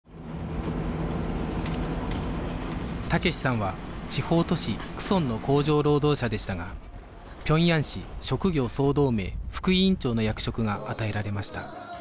武志さんは地方都市亀城の工場労働者でしたが平壌市職業総同盟副委員長の役職が与えられました